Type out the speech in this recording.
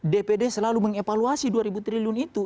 dpd selalu mengevaluasi dua ribu triliun itu